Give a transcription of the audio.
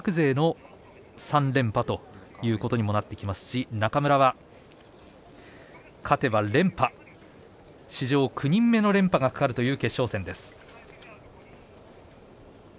日本体育大学勢の３連覇ということにもなってきますし中村は勝てば連覇史上９人目の連覇が懸かるという決勝戦です。